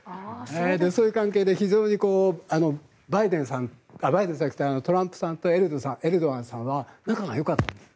そういう関係で、非常にトランプさんとエルドアンさんは仲がよかったんです。